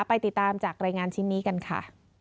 ไปติดตามจากรายงานชิ้นนี้กันค่ะ